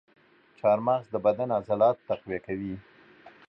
چارمغز د بدن عضلات تقویه کوي.